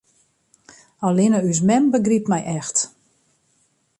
Allinne ús mem begrypt my echt.